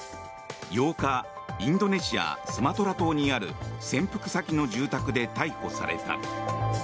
８日インドネシア・スマトラ島にある潜伏先の住宅で逮捕された。